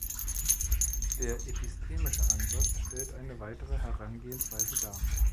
Der "epistemische Ansatz" stellt eine weitere Herangehensweise dar.